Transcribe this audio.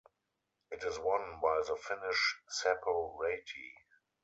It is won by the Finnish Seppo Raty.